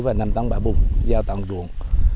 và năm tăng bả bụng giao toàn đường